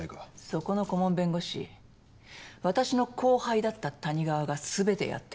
そこの顧問弁護士私の後輩だった谷川が全てやってる。